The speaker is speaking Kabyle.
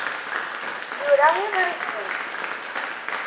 yura iḍrisen.